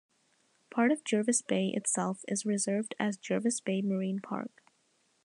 Part of Jervis Bay itself is reserved as Jervis Bay Marine Park.